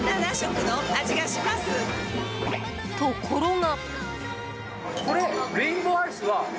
ところが。